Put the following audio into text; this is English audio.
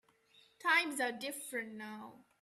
Times are different now.